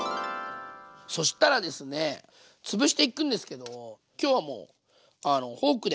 そしたらですねつぶしていくんですけど今日はもうフォークで。